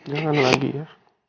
jangan lagi ya